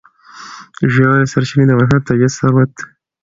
ژورې سرچینې د افغانستان طبعي ثروت دی.